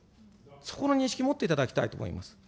そこの認識持っていただきたい思います。